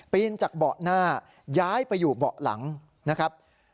นจากเบาะหน้าย้ายไปอยู่เบาะหลังนะครับ